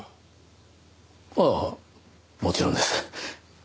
ああもちろんです。